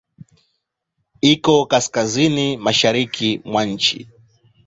Iko Kaskazini mashariki mwa nchi.